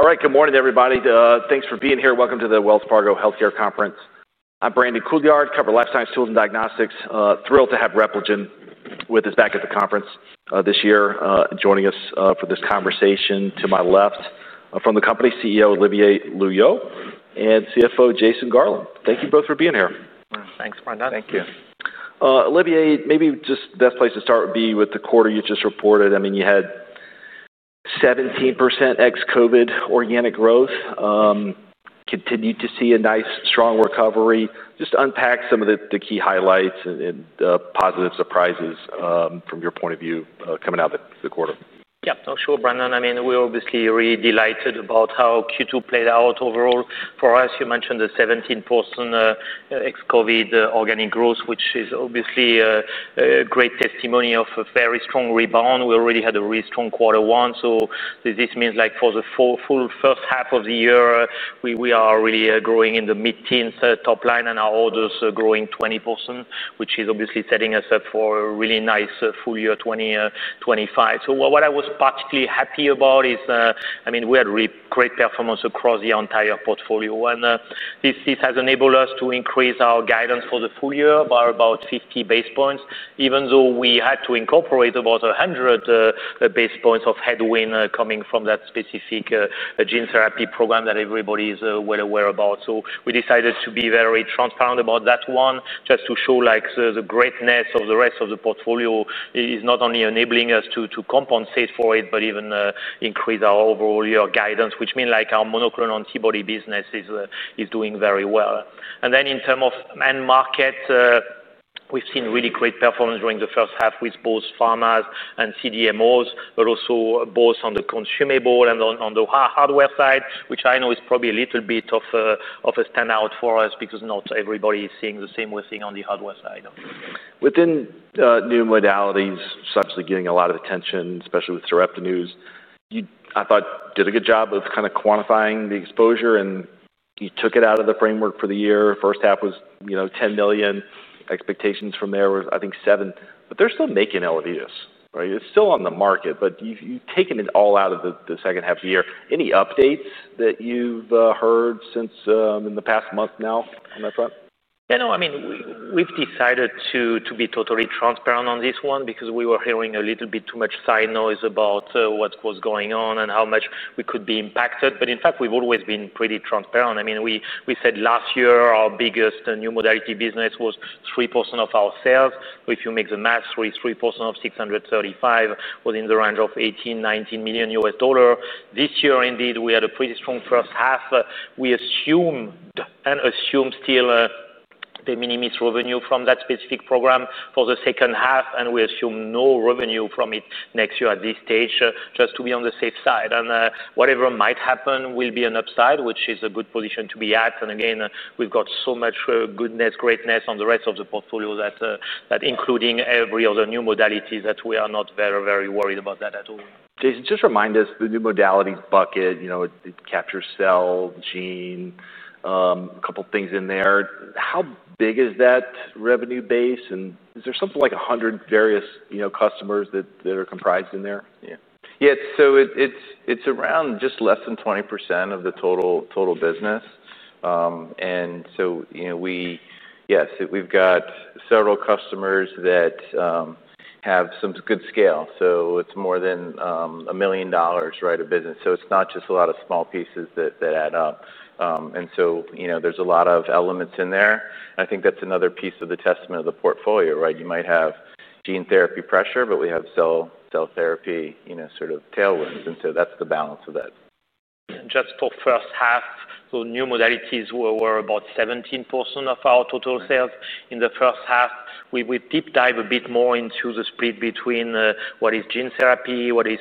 All right. Good morning, everybody. Thanks for being here. Welcome to the Wells Fargo Healthcare Conference. I am Brandon Couillard, cover Life Science Tools and Diagnostics. Thrilled to have Repligen with us back at the conference this year joining us for this conversation. To my left from the company's CEO, Olivier Luyeau and CFO, Jason Garland. Thank you both for being here. Thanks, Brenda. Thank you. Olivier, maybe just best place to start would be with the quarter you just reported. I mean, you had 17% ex COVID organic growth, continued to see a nice strong recovery. Just unpack some of the key highlights and positive surprises from your point of view coming out of the quarter. Yes. Sure, Brandon. I mean, we're obviously really delighted about how Q2 played out overall. For us, you mentioned the 17% ex COVID organic growth, which is obviously a great testimony of a very strong rebound. We already had a really strong quarter one. So this means like for the full first half of the year, we are really growing in the mid teens top line and our orders are growing 20%, which is obviously setting us up for a really nice full year 2025. So what I was particularly happy about is, I mean, we had great performance across the entire portfolio. And this has enabled us to increase our guidance for the full year by about 50 basis points, even though we had to incorporate about 100 basis points of headwind coming from that specific gene therapy program that everybody is well aware about. So we decided to be very transparent about that one, just to show like the greatness of the rest of the portfolio is not only enabling us to compensate for it, but even increase our overall year guidance, which mean like our monoclonal antibody business is doing very well. And then in terms of end markets, we've seen really great performance during the first half with both pharmas and CDMOs, but also both on the consumable and on the hardware side, which I know is probably a little bit of a standout for us because not everybody is seeing the same we're seeing on the hardware side. Within new modalities, it's obviously getting a lot of attention, especially with Sarepta news. You, I thought, did a good job of kind of quantifying the exposure, you took it out of the framework for the year. First half was 10,000,000 expectations from there was, I think, 7,000,000. But they're still making elevators, right? It's still on the market, but you've taken it all out of the second half of the year. Any updates that you've heard since in the past month now on that front? Yes. No, I mean, we've decided to be totally transparent on this one because we were hearing a little bit too much side noise about what was going on and how much we could be impacted. But in fact, we've always been pretty transparent. I mean, we said last year, our biggest new modality business was 3% of our sales. If you make the math, 3% of $635,000,000 was in the range of 18,000,019 million dollars This year, indeed, we had a pretty strong first half. We assume and assume still de minimis revenue from that specific program for the second half, and we assume no revenue from it next year at this stage, just to be on the safe side. And whatever might happen will be an upside, which is a good position to be at. And again, we've got so much goodness, greatness on the rest of the portfolio that including every other new modalities that we are not very, very worried about that at all. Jason, just remind us the new modalities bucket, captures cell, gene, a couple of things in there. How big is that revenue base? And is there something like 100 various customers that are comprised in there? Yes. So, it's around just less than 20% of the total business. And so, we yes, we've got several customers that have some good scale. So, it's more than $1,000,000 right, of business. So, it's not just a lot of small pieces that add up. And so, there's a lot of elements in there. I think that's another piece of the testament of the portfolio, right? You might have gene therapy pressure, but we have cell therapy sort of tailwinds. And so that's the balance of that. Just for first half, so new modalities were about 17% of our total sales in the first half. We deep dive a bit more into the split between what is gene therapy, what is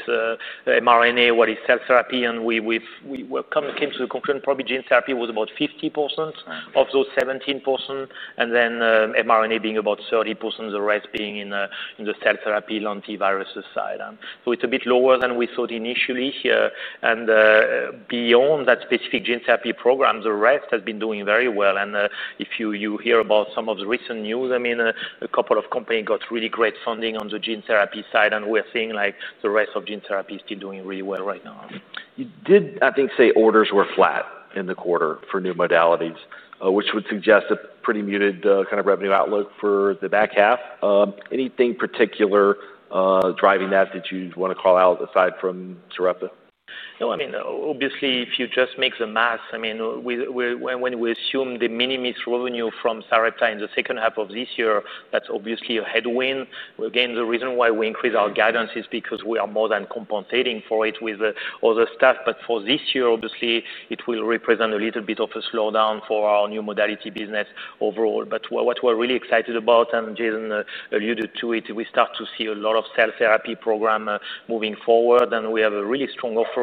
mRNA, what is cell therapy. And we've come came to the conclusion probably gene therapy was about 50% of those 17% and then mRNA being about 30%, the rest being in the cell therapy, lentiviruses side. So it's a bit lower than we thought initially here. And beyond that specific gene therapy program, the rest has been doing very well. And if you hear about some of the recent news, I mean, couple of companies got really great funding on the gene therapy side and we're seeing like the rest of gene therapy is still doing really well right now. You did, think, say orders were flat in the quarter for new modalities, which would suggest a pretty muted kind of revenue outlook for the back half. Anything particular driving that that you'd want to call out aside from Sarepta? No, I mean, obviously, if you just make the math, I mean, when we assume the Minimis revenue from Sarepta in the second half of this year, that's obviously a headwind. Again, the reason why we increased our guidance is because we are more than compensating for it But for this year, obviously, it will represent a little bit of a slowdown for our new modality business overall. But what we're really excited about, and Jason alluded to it, we start to see a lot of cell therapy program moving forward. And we have a really strong offering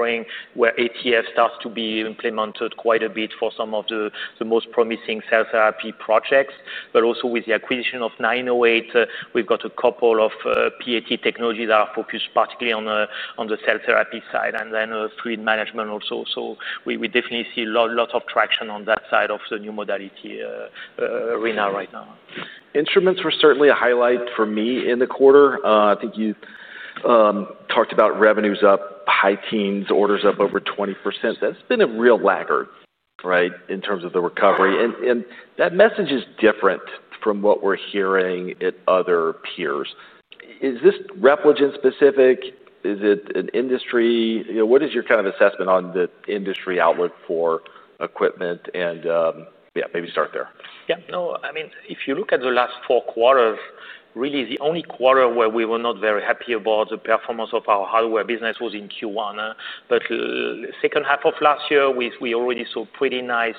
where ATF starts to be implemented quite a bit for some of the most promising cell therapy projects. But also with the acquisition of nine zero eight, we've got a couple of PAT technologies that are focused particularly on the cell therapy side and then fluid management also. So we definitely see a lot of traction on that side of the new modality arena right now. Instruments were certainly a highlight for me in the quarter. I think you talked about revenues up high teens, orders up over 20%. That's been a real laggard, right, in terms of the recovery. And that message is different from what we're hearing at other peers. Is this Repligen specific? Is it an industry? What is your kind of assessment on the industry outlook for equipment? And yes, maybe start there. Yes. No, I mean, if you look at the last four quarters, really the only quarter where we were not very happy about the performance of our hardware business was in Q1. But second half of last year, we already saw pretty nice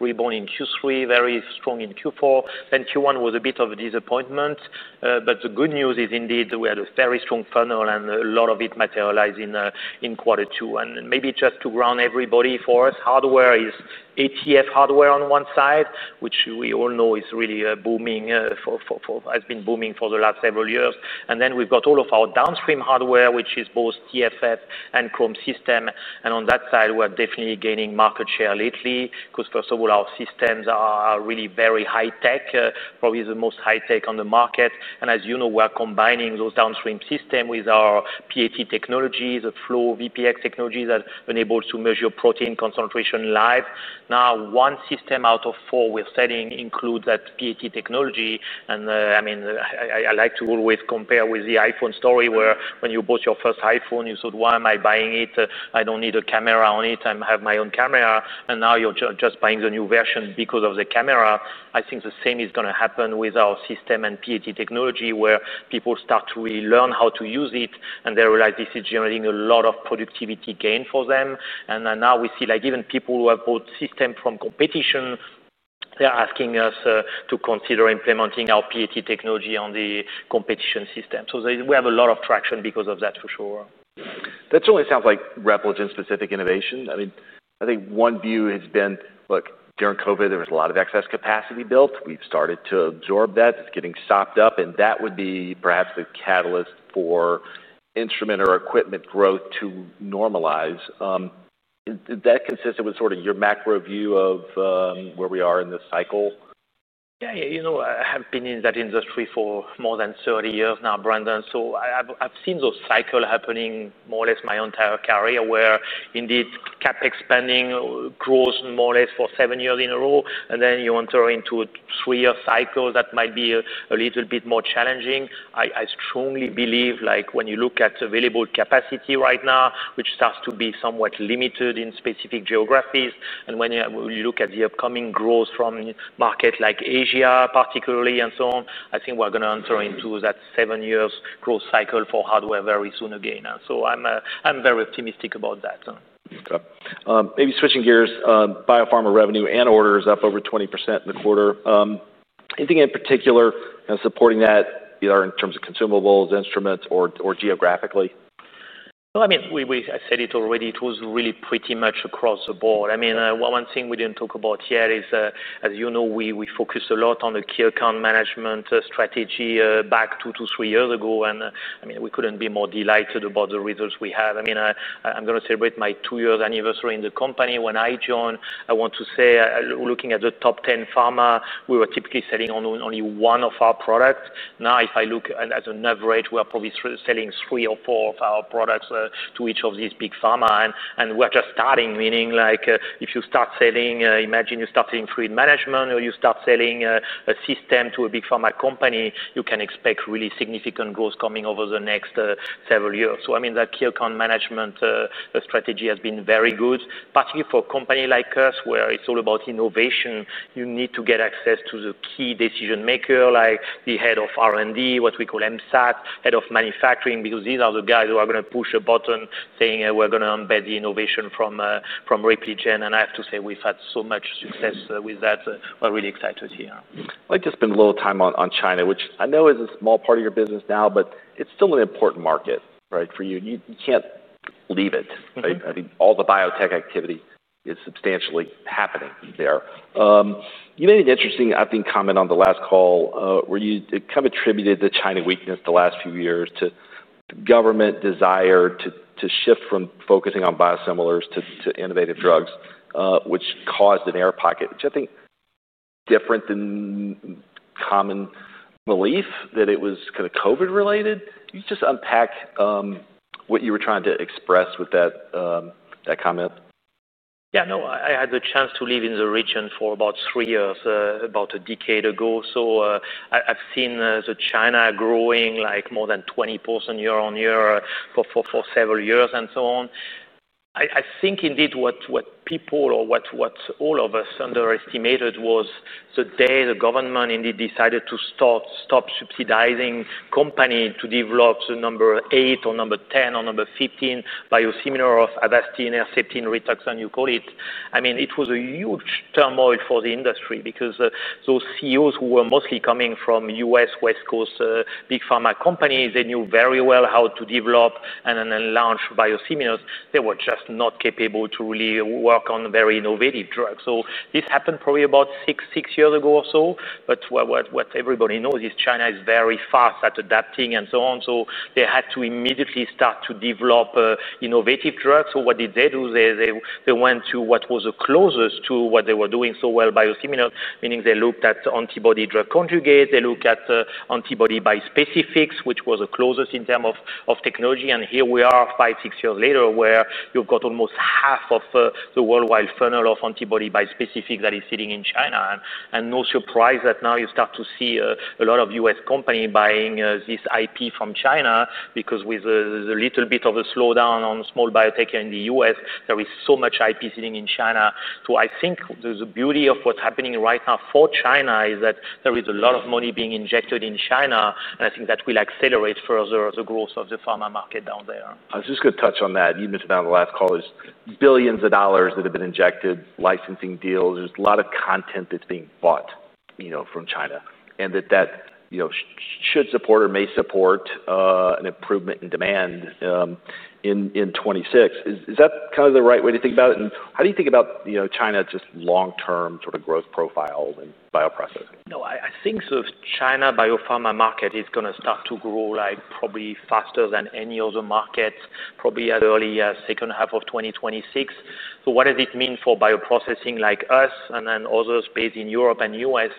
rebound in Q3, very strong in Q4. Then Q1 was a bit of a disappointment. But the good news is indeed that we had a very strong funnel and a lot of it materialized in quarter two. And maybe just to ground everybody for us, hardware is ATF hardware on one side, which we all know is really booming has been booming for the last several years. And then we've got all of our downstream hardware, which is both TFF and Chrome system. And on that side, we're definitely gaining market share lately because first of all, our systems are really very high-tech, probably the most high-tech on the market. And as you know, we are combining those downstream system with our PAT technologies, the Flow VPX technology that enables to measure protein concentration live. Now one system out of four we're selling includes that PAT technology. And I mean, I like to always compare with the iPhone story where when you bought your first iPhone, you said, why am I buying it? I don't need a camera on it. I have my own camera. And now you're just buying the new version because of the camera. I think the same is going to happen with our system and PAT technology where people start to really learn how to use it and they realize this is generating a lot of productivity gain for them. And now we see like even people who have bought system from competition, they are asking us to consider implementing our PAT technology on the competition system. So we have a lot of traction because of that for sure. That certainly sounds like Repligen specific innovation. I mean, I think one view has been, look, during COVID, there was a lot of excess capacity built. We've started to absorb that. It's getting sopped up, and that would be perhaps the catalyst for instrument or equipment growth to normalize. Is that consistent with sort of your macro view of where we are in this cycle? Yes. I have been in that industry for more than thirty years now, Brandon. So I've seen those cycle happening more or less my entire career, where indeed CapEx spending grows more or less for seven years in a row. And then you enter into a three year cycle that might be a little bit more challenging. I strongly believe like when you look at available capacity right now, which starts to be somewhat limited in specific geographies. And when you look at the upcoming growth from market like Asia, particularly and so on, I think we're going to enter into that seven years growth cycle for hardware very soon again. So I'm very optimistic about that. Okay. Maybe switching gears, biopharma revenue and orders up over 20% in the quarter. Anything in particular supporting that either in terms of consumables, instruments or geographically? Well, I mean, we I said it already, it was really pretty much across the board. I mean, one thing we didn't talk about here is, as you know, we focus a lot on the key account management strategy back two to three years ago. And I mean, we couldn't be more delighted about the results we had. I mean, I'm going to celebrate my two year anniversary in the company. When I joined, I want to say, looking at the top 10 pharma, we were typically selling only one of our products. Now if I look at as an average, we are probably selling three or four of our products to each of these big pharma. And we're just starting, meaning like if you start selling imagine you're starting fluid management or you start selling a system to a big pharma company, you can expect really significant growth coming over the next several years. So I mean that key account management strategy has been very good, particularly for a company like us, where it's all about innovation, you need to get access to the key decision maker like the head of R and D, what we call MSAT, head of manufacturing, because these are the guys who are going to push a button saying we're going to embed the innovation from Repligen. And I have to say we've had so much success with that. We're really excited see. I'd to spend a little time on China, which I know is a small part of your business now, but it's still an important market, right, for you. You can't leave it, right? I think all the biotech activity is substantially happening there. You made an interesting, I think, comment on the last call where you kind of attributed the China weakness the last few years to government desire to shift from focusing on biosimilars to innovative drugs, which caused an air pocket, which I think different than common belief that it was kind of COVID related. Can you just unpack, what you were trying to express with that comment? Yes. No, I had the chance to live in the region for about three years, about a decade ago. So I've seen the China growing like more than 20% year on year for several years and so on. I think indeed what people or what all of us underestimated was the day the government indeed decided to stop subsidizing company to develop the number eight or number 10 or number 15 biosimilar of Avastin, Herceptin, Rituxan, you call it. I mean, it was a huge turmoil for the industry because those CEOs who were mostly coming from U. S. West Coast big pharma companies, they knew very well how to develop and then launch biosimilars. They were just not capable to really work on very innovative drugs. So this happened probably about six years ago or so. But what everybody knows is China is very fast at adapting and so on. So they had to immediately start to develop innovative drugs. So what did they do? Went to what was the closest to what they were doing so well, biosimilars, meaning they looked at antibody drug conjugate, they looked at antibody bispecifics, which was the closest in term of technology. And here we are five, six years later, where you've got almost half of the worldwide funnel of antibody bispecific that is sitting in China. And no surprise that now you start to see a lot of U. S. Company buying this IP from China because with a little bit of a slowdown on small biotech in The U. S, there is so much IP sitting in China. So I think there's a beauty of what's happening right now for China is that there is a lot of money being injected in China, and I think that will accelerate further the growth of the pharma market down there. I was just going to touch on that. You mentioned that on the last call is billions of dollars that have been injected, licensing deals. There's a lot of content that's being bought from China and that, that should support or may support an improvement in demand in 2026. Is that kind of the right way to think about it? And how do you think about China just long term sort of growth profile in bioprocessing? No, I think China biopharma market is going to start to grow like probably faster than any other markets, probably at 2026. So what does it mean for bioprocessing like us and then others based in Europe and U. S?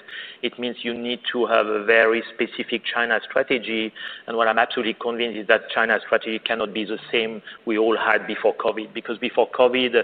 It means you need to have a very specific China strategy. And what I'm absolutely convinced is that China strategy cannot be the same we all had before COVID. Because before COVID,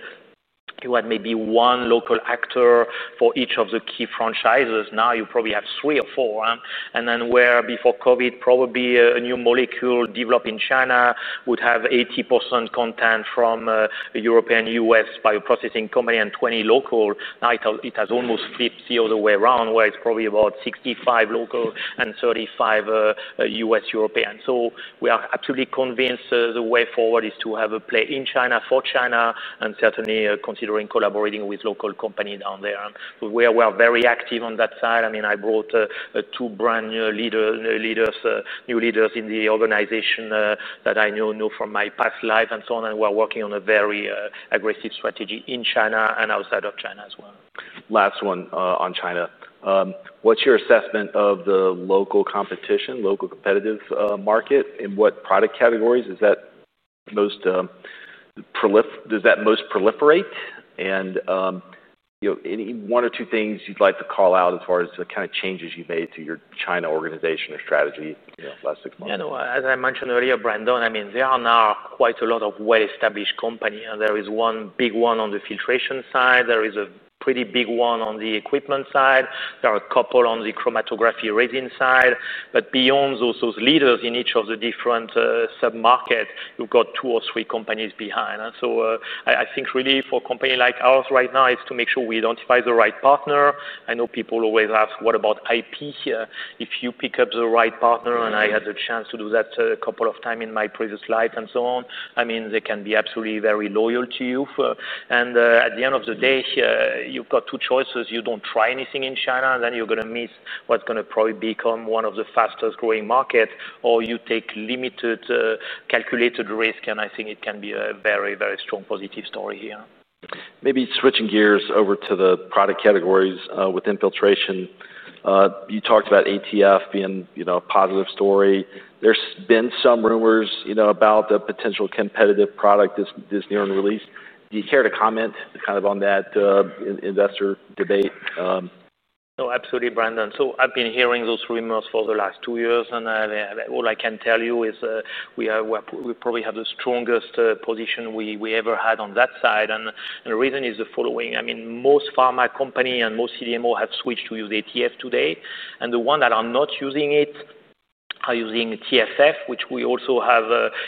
you had maybe one local actor for each of the key franchises. Now you probably have three or four. And then where before COVID probably a new molecule developed in China would have 80% content from the European U. S. Bioprocessing company and 20 local, now it has almost flipped the other way around where it's probably about 65 local and 35 U. S, European. So we are absolutely convinced the way forward is to have a play in China for China and certainly considering collaborating with local company down there. But we very active on that side. I mean, brought two brand new leaders in the organization that I know from my past life and so on. And we're working on a very aggressive strategy in China and outside of China as well. Last one on China. What's your assessment of the local competition, local competitive market? And what product categories is that most does that most proliferate? And any one or two things you'd like to call out as far as the kind of changes you made to your China organization or strategy last six months? Yes. No, as I mentioned earlier, Brandon, I mean, there are now quite a lot of well established company. There is one big one on the filtration side. There is a pretty big one on the equipment side. There are a couple on the chromatography resin side. But beyond those leaders in each of the different submarket, you've got two or three companies behind. So I think really for a company like ours right now is to make sure we identify the right partner. I know people always ask what about IP here. If you pick up the right partner, and I had the chance to do that a couple of time in my previous slides and so on, I mean they can be absolutely very loyal to you. And at the end of the day, you've got two choices. You don't try anything in China, then you're going to miss what's going to probably become one of the fastest growing markets or you take limited calculated risk. And I think it can be a very, very strong positive story here. Maybe switching gears over to the product categories within filtration, you talked about ATF being a positive story. There's been some rumors about the potential competitive product this year in release. Do you care to comment kind of on that investor debate? No, absolutely, Brandon. So I've been hearing those rumors for the last two years. And all I can tell you is we probably have the strongest position we ever had on that side. And the reason is the following. I mean most pharma company and most CDMO have switched to use ATF today. And the one that are not using it are using TFF, which we also have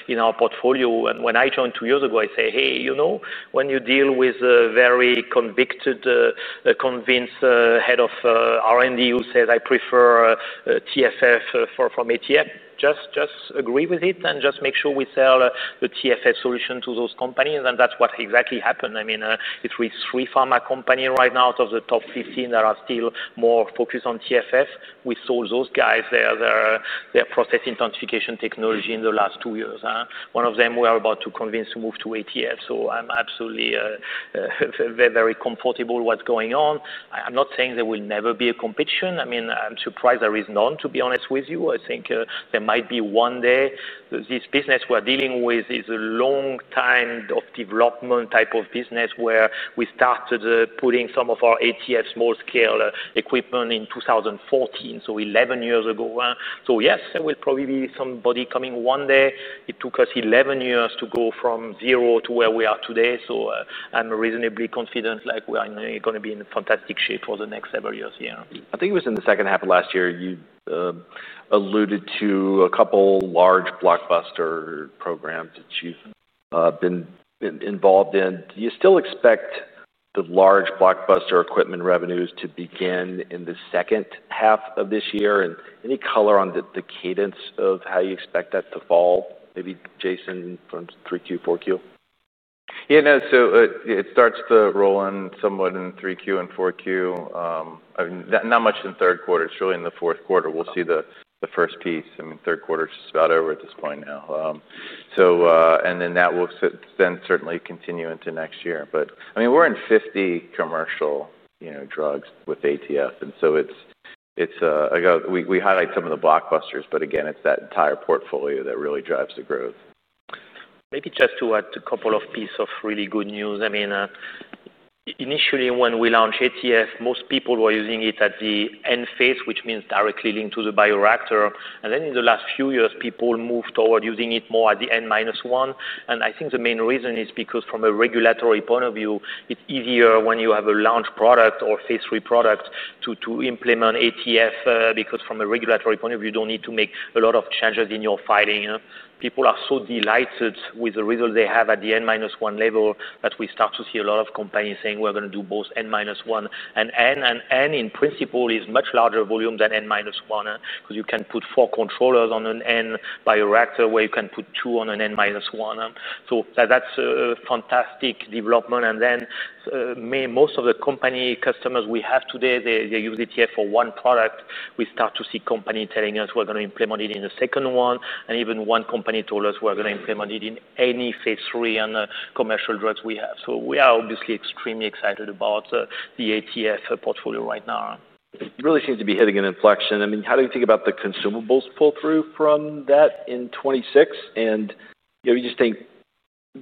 in our portfolio. And when I joined two years ago, I say, hey, when you deal with a very convicted, convinced head of R and D who says I prefer TFF from ATF, just agree with it and just make sure we sell the TFF solution to those companies. And that's what exactly happened. I mean, we three pharma company right now, so the top 15 that are still more focused on TFF, we sold those guys, process intensification technology in the last two years. One of them we are about to convince to move to ATF. So I'm absolutely very comfortable what's going on. I'm not saying there will never be a competition. I mean, I'm surprised there is none, to be honest with you. I think there might be one day. This business we're dealing with is a long time of development type of business where we started putting some of our ATS small scale equipment in 2014, so eleven years ago. So yes, there will probably be somebody coming one day. It took us eleven years to go from zero to where we are today. So I'm reasonably confident like we are going to be in fantastic shape for the next several years, yes. I think it was in the second half of last year, you alluded to a couple large blockbuster programs that you've been involved in. Do you still expect the large blockbuster equipment revenues to begin in the second half of this year? And any color on the cadence of how you expect that to fall, maybe, Jason, from 3Q, 4Q? Yes. No. So it starts to roll in somewhat in 3Q and 4Q. Not much in third quarter. It's really in the fourth quarter. We'll see the first piece. I mean third quarter is just about over at this point now. So and then that will then certainly continue into next year. But I mean we're in 50 commercial drugs with ATF. And so it's we highlight some of the blockbusters, but again, it's that entire portfolio that really drives the growth. Maybe just to add a couple of piece of really good news. I mean, initially when we launched ATF, most people were using it at the end phase, which means directly link to the bioreactor. And then in the last few years, people moved toward using it more at the N minus one. And I think the main reason is because from a regulatory point of view, it's easier when you have a launch product or Phase III product to implement ATF because from a regulatory point of view, don't need to make a lot of changes in your filing. People are so delighted with the result they have at the N minus one level that we start to see a lot of companies saying we're going to do both N minus one and N. And N in principle is much larger volume than N minus one because you can put four controllers on an N bioreactor where you can put two on an N minus one. So that's a fantastic development. And then most of the company customers we have today, they use ZTEF for one product. We start to see company telling us we're going to implement it in the second one. And even one company told us we're going to implement it in any Phase III and commercial drugs we have. So we are obviously extremely excited about the ATF portfolio right now. It really seems to be hitting an inflection. I mean, do you think about the consumables pull through from that in 'twenty six? And we just think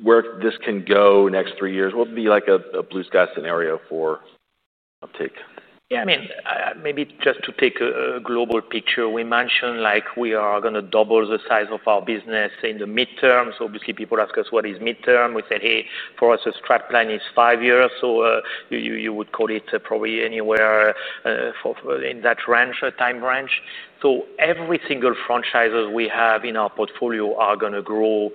where this can go next three years, what would be like a blue sky scenario for uptake? Yes. I mean, maybe just to take a global picture, we mentioned like we are going to double the size of our business in the midterm. So obviously, people ask us what is midterm. We said, hey, for us, the strap plan is five years. So you would call it probably anywhere in that range time range. So every single franchise that we have in our portfolio are going to grow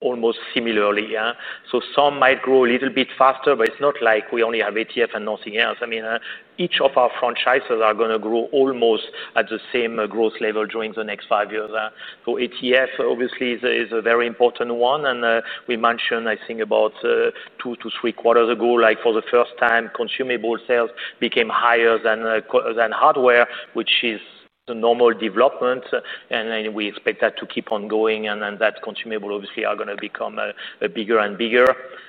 almost similarly, yes. So some might grow a little bit faster, but it's not like we only have ATF and nothing else. I mean, of our franchises are going to grow almost at the same growth level during the next five years. So ETF, obviously, is a very important one. And we mentioned, I think, about two to three quarters ago, like for the first time, consumable sales became higher than hardware, which is the normal development. And we expect that to keep on going and that consumable obviously are going to become bigger and bigger.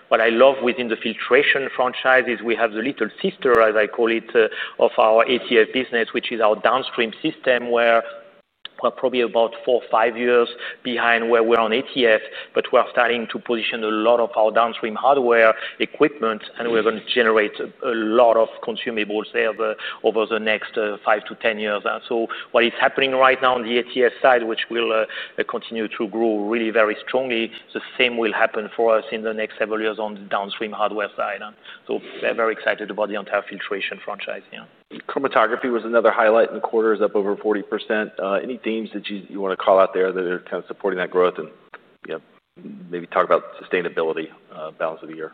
What I love within the filtration franchise is we have the little sister, as I call it, of our ATS business, which is our downstream system, where we're probably about four, five years behind where we're on ATS, but we are starting to position a lot of our downstream hardware equipment, and we're going to generate a lot of consumables there over the next five to ten years. So what is happening right now in the ATS side, which will continue to grow really very strongly, the same will happen for us in the next several years on the downstream hardware side. Very excited about the entire filtration franchise. Chromatography was another highlight in the quarter, it's up over 40%. Any themes that you want to call out there that are kind of supporting that growth and maybe talk about sustainability balance of the year?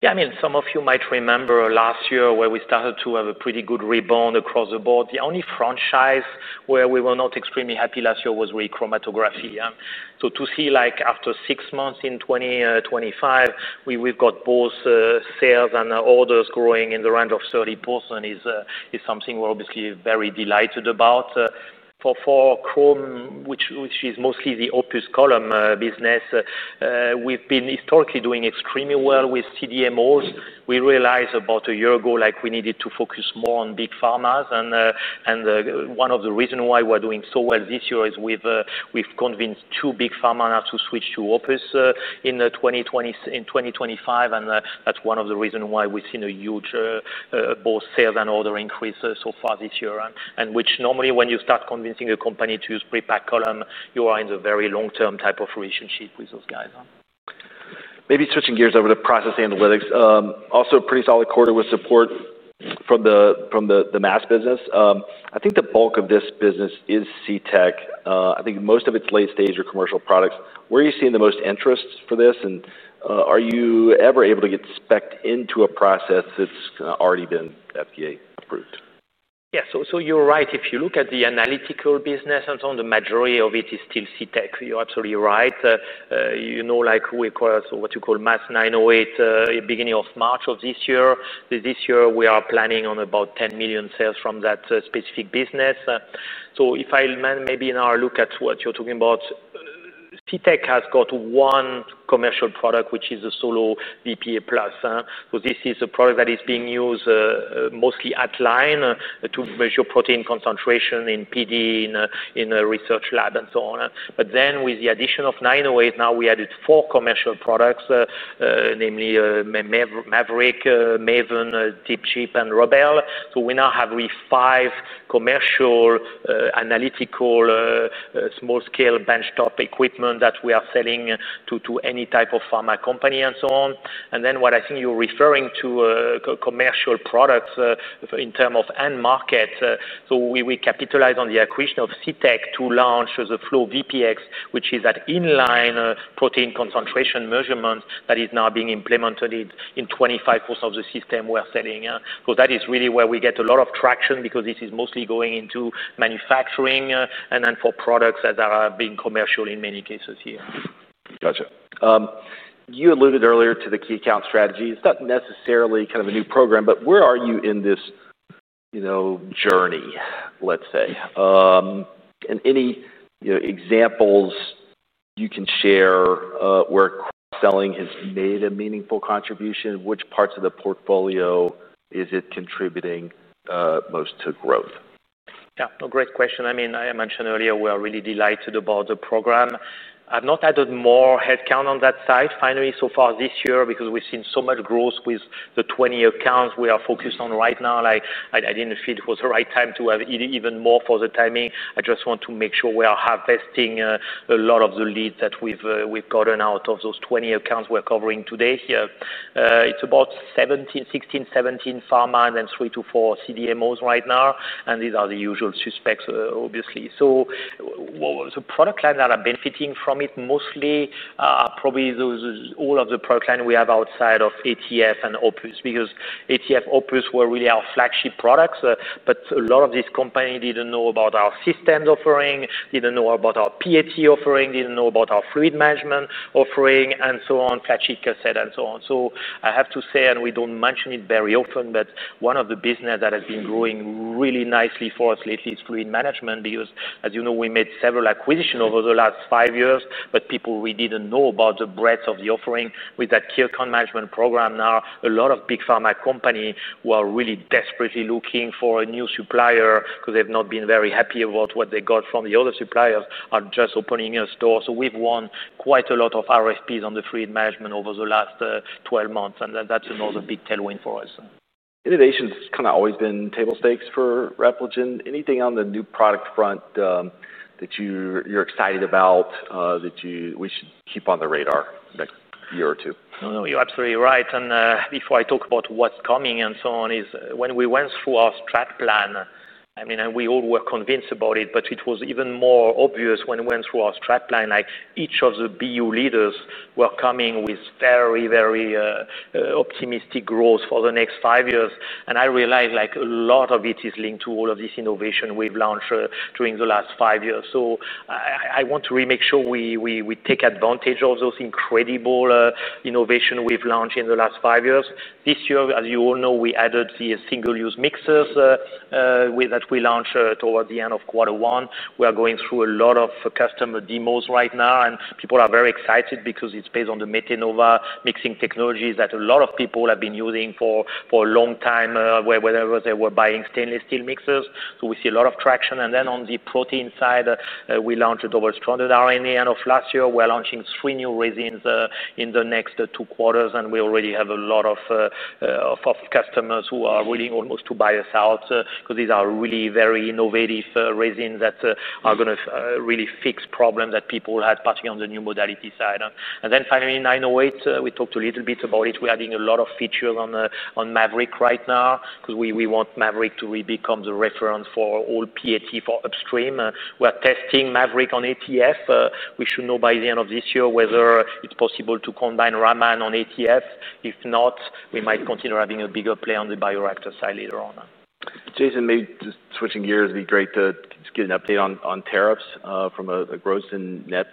Yes. I mean, of you might remember last year where we started to have a pretty good rebound across the board. The only franchise where we were not extremely happy last year was really chromatography, yes. So to see like after six months in 2025, we've got both sales and orders growing in the range of 30% is something we're obviously very delighted about. For Chrome, which is mostly the opus column business, we've been historically doing extremely well with CDMOs. We realized about a year ago like we needed to focus more on big pharmas. And one of the reason why we're doing so well this year is we've convinced two big pharmas to switch to OPUS in 2025, and that's one of the reason why we've seen a huge both sales and order increases so far this year and which normally when you start convincing a company to use pre packed column, you are in the very long term type of relationship with those guys. Maybe switching gears over to Process Analytics, also pretty solid quarter with support from the mass business. I think the bulk of this business is C Tech. I think most of it's late stage or commercial products. Where are you seeing the most interest for this? And are you ever able to get specked into a process that's already been FDA approved? Yes. So you're right. If you look at the analytical business, Anton, the majority of it is still C Tech. You're absolutely right. Like we call us what you call MAZ-nine zero eight March year. This year, we are planning on about €10,000,000 sales from that specific business. So if I may be now look at what you're talking about, C Tech has got one commercial product, which is a solo VPA plus So this is a product that is being used mostly at line to measure protein concentration in PD, in research lab and so on. But then with the addition of nine zero eight, now we added four commercial products, namely Maverick, Maven, DeepChip and RoBelle. So we now have with five commercial analytical, small scale benchtop equipment that we are selling to any type of pharma company and so on. And then what I think you're referring to commercial products in terms of end markets. So we capitalize on the accretion of C Tech to launch the FlowVPX, which is that in line protein concentration measurement that is now being implemented in 25% of the system we are selling. So that is really where we get a lot of traction because this is mostly going into manufacturing and then for products that are being commercial in many cases here. Got You alluded earlier to the key account strategy. It's not necessarily kind of a new program, but where are you in this journey, let's say? And any examples you can share where cross selling has made a meaningful contribution, which parts of the portfolio is it contributing most to growth? Yes. No, great question. I mean, mentioned earlier, we are really delighted about the program. I've not added more headcount on that side, finally, so far this year because we've seen so much growth with the 20 accounts we are focused on right now. I didn't feel it was the right time to have even more for the timing. I just want to make sure we are harvesting a lot of the leads that we've gotten out of those 20 accounts we're covering today here. It's about sixteen, seventeen pharma and then three to four CDMOs right now. And these are the usual suspects, obviously. So product lines that are benefiting from it mostly probably those all of the product line we have outside of ATF and OPUS, because ATF and OPUS were really our flagship products. But a lot of these companies didn't know about our systems offering, didn't know about our PAT offering, didn't know about our fluid management offering and so on, Placica said and so on. So I have to say, and we don't mention it very often, but one of the business that has been growing really nicely for us lately is fluid management, because as you know, we made several acquisition over the last five years, but people really didn't know about the breadth of the offering with that key account management program now, a lot of big pharma company who are really desperately looking for a new supplier because they've not been very happy about what they got from the other suppliers are just opening a store. So we've won quite a lot of RFPs on the fleet management over the last twelve months and that's another big tailwind for us. Innovation has kind of always been table stakes for Repligen. Anything on the new product front that you're excited about that you we should keep on the radar next year or two? No, no, you're absolutely right. And before I talk about what's coming and so on is when we went through our strat plan, I mean, and we all were convinced about it, but it was even more obvious when we went through our strat plan like each of the BU leaders were coming with very, very optimistic growth for the next five years. And I realize like a lot of it is linked to all of this innovation we've launched during the last five years. So I want to really make sure we take advantage of those incredible innovation we've launched in the last five years. This year, as you all know, we added the single use mixes that we launched towards the '1. We are going through a lot of customer demos right now, and people are very excited because it's based on the MeteNova mixing technologies that a lot of people have been using for a long time, wherever they were buying stainless steel mixes. So we see a lot of traction. And then on the protein side, we launched a double stranded RNA end of last year. We're launching three new resins in the next two quarters, and we already have a lot of customers who are willing almost to buy us out because these are really very innovative resins that are going to really fix problems that people had, partly on the new modality side. And then finally, nine zero eight, we talked a little bit about it. We're having a lot of features on MAVERICK right now, because we want MAVERICK to really become the reference for all PAT for upstream. We are testing MAVERICK on ATF. We should know by the end of this year whether it's possible to combine Raman on ATF. If not, we might consider having a bigger play on the bio reactor side later on. Jason, maybe just switching gears, it be great to just get an update on tariffs from a gross and net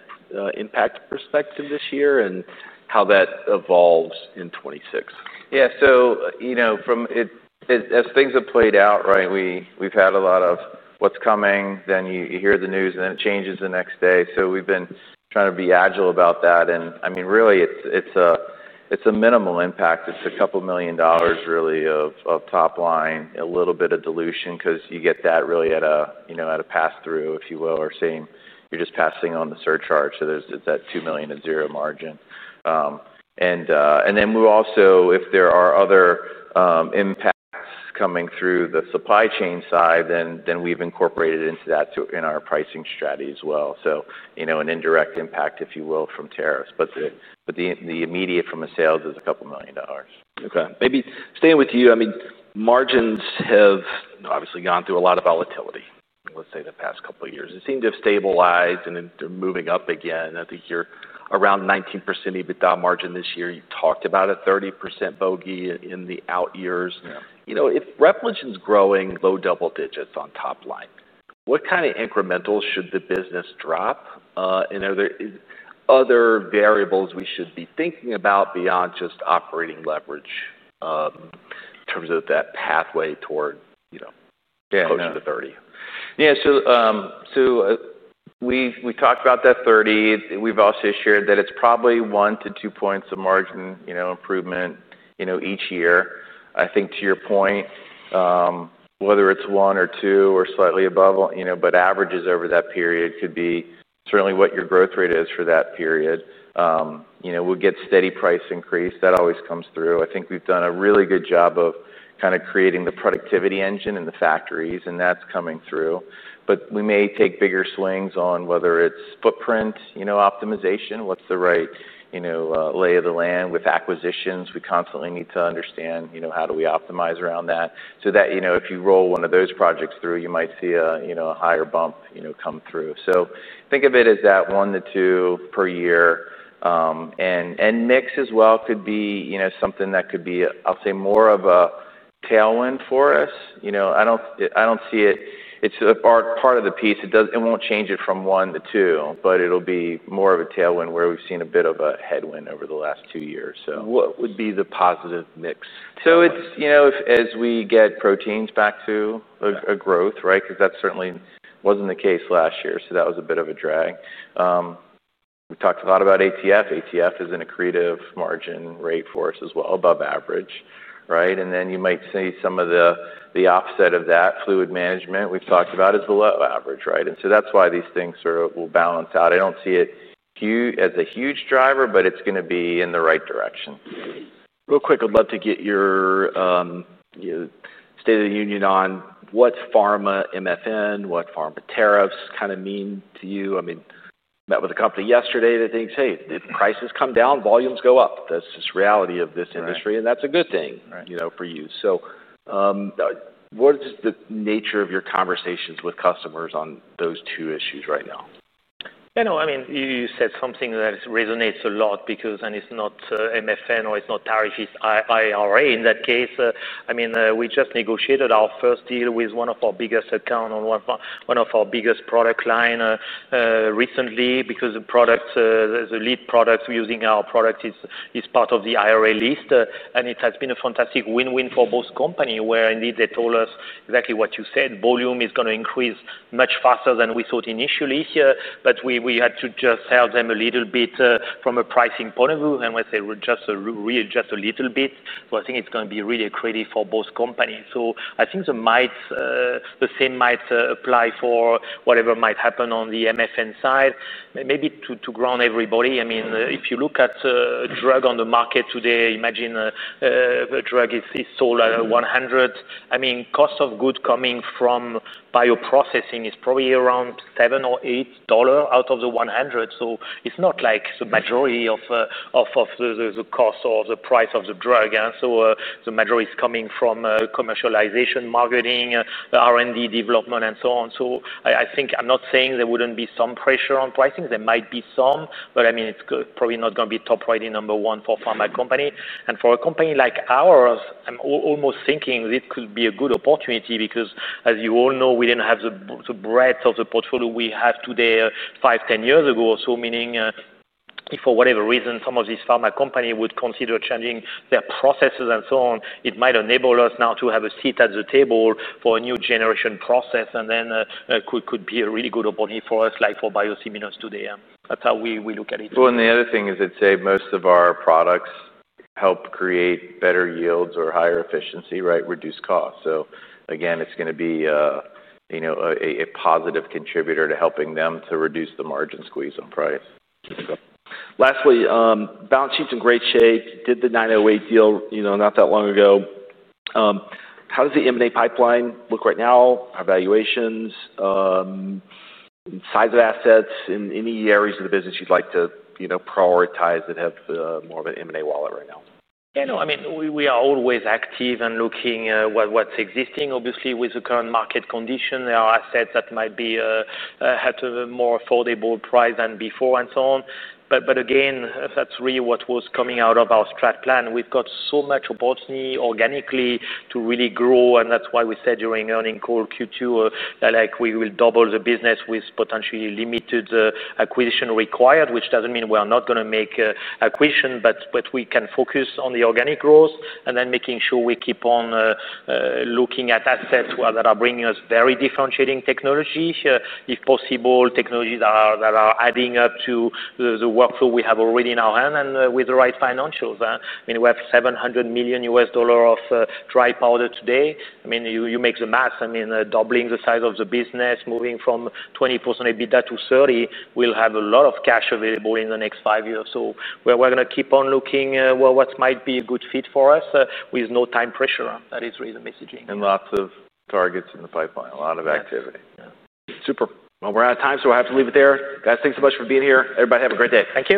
impact perspective this year and how that evolves in 'twenty six? Yes. So, things have played out, right, we've had a lot of what's coming, then you hear the news and then it changes the next day. So, we've been trying to be agile about that. And I mean, really, it's a minimal impact. It's a couple of million dollars really of top line, a little bit of dilution because you get that really at a pass through, if you will, or same you're just passing on the surcharge. So, it's that $2,000,000 of zero margin. And then we also if there are other impacts coming through the supply chain side, we've incorporated into that in our pricing strategy as well, an indirect impact, if you will, from tariffs. But the immediate from a sales is a couple of million dollars. Okay. Maybe staying with you, I mean, margins have obviously gone through a lot of volatility, let's say, past couple of years. It seemed to have stabilized and then moving up again. I think you're around 19% EBITDA margin this year. You talked about a 30% bogey in the out years. If Repligen is growing low double digits on top line, what kind of incremental should the business drop? And are there other variables we should be thinking about beyond just operating leverage in terms of that pathway toward Yes. Close to the So, we talked about that 30. We have also shared that it's probably one to two points of margin improvement each year. I think to your point, whether it's one or two or slightly above, but averages over that period could be certainly what your growth rate is for that period. We'll get steady price increase. That always comes through. I think we've done a really good job of kind of creating the productivity engine in the factories, and that's coming through. But we may take bigger swings on whether it's footprint optimization, what's the right lay of the land with acquisitions. We constantly need to understand how do we optimize around that so that if you roll one of those projects through, you might see a higher bump come through. So, think of it as that one to two per year. And mix as well could be something that could be, I'll say, more of a tailwind for us. I don't see it. It's part of the piece. It won't change it from one to two, but it will be more of a tailwind where we have seen a bit of a headwind over the last two years. So, what would be the positive mix? So, it's as we get proteins back to growth, right, because that certainly wasn't the case last year, so that was a bit of a drag. We talked a lot about ATF. ATF is an accretive margin rate for us as well, above average, right? And then you might see some of the offset of that fluid management we've talked about is below average, right? And so that's why these things sort of will balance out. I don't see it as a huge driver, but it's going to be in the right direction. Real quick, I'd love to get your State of the Union on what's pharma MFN, what pharma tariffs kind of mean to you? I mean, I met with a company yesterday that thinks, hey, if prices come down, volumes go up. That's reality of this industry and that's a good thing for So, what is the nature of your conversations with customers on those two issues right now? Yes. No, I mean, you said something that resonates a lot because and it's not MFN or it's not it's IRA. In that case, I mean, we just negotiated our first deal with one of our biggest account or one of our biggest product line recently because the product the lead products using our product is part of the IRA list. And it has been a fantastic win win for both company where indeed they told us exactly what you said. Volume is going to increase much faster than we thought initially here, but we had to just sell them a little bit from a pricing point of view. And when they were just readjust a little bit, so I think it's going be really accretive for both companies. So I think the might the same might apply for whatever might happen on the MFN side. Maybe to ground everybody, I mean, if you look at drug on the market today, imagine drug is sold at $100 I mean, cost of goods coming from bioprocessing is probably around $7 or $8 out of the $100 So it's not like the majority of the cost or the price of the drug. So the majority is coming from commercialization, marketing, R and D development and so on. So I think I'm not saying there wouldn't be some pressure on pricing. There might be some, but I mean it's probably not going to be top priority number one for pharma company. And for a company like ours, I'm almost thinking this could be a good opportunity because as you all know, we didn't have the breadth of the portfolio we have today five, ten years ago. So meaning if for whatever reason, some of these pharma company would consider changing their processes and so on, it might enable us now to have a seat at the table for a new generation process and then could be a really good opportunity for us like for biosimilars today. That's how we look at it. Well, and the other thing is I'd say most of our products help create better yields or higher efficiency, right, reduce costs. So, again, it's going to be a positive contributor to helping them to reduce the margin squeeze on price. Lastly, balance sheet is in great shape, did the 09/2008 deal not that long ago. How does the M and A pipeline look right now, evaluations, size of assets in any areas of the business you'd like to prioritize that have more of an M and A wallet right now? Yes. No, I mean, we are always active and looking what's existing. Obviously, with the current market condition, there are assets that might be at a more affordable price than before and so on. But again, that's really what was coming out of our strat plan. We've got so much opportunity organically to really grow, and that's why we said during earnings call Q2 that like we will double the business with potentially limited acquisition required, which doesn't mean we are not going to make acquisition, but we can focus on the organic growth and then making sure we keep on looking at assets that are bringing us very differentiating technology. If possible, technologies that are adding up to the workflow we have already in our hand and with the right financials. I mean, we have US700 million dollars of dry powder today. I mean, you make the math, I mean, doubling the size of the business, moving from 20% EBITDA to 30%, we'll have a lot of cash available in the next five years. So we're going to keep on looking what might be a good fit for us with no time pressure. That is really the messaging. And lots of targets in the pipeline, a lot of activity. Super. Well, we're out of time, so I have to leave it there. Guys, thanks so much for being here. Everybody, have a great day. Thank you.